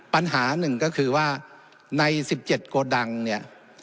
ปัญหาหนึ่งก็คือว่าในสิบเจ็ดโกดังเนี้ย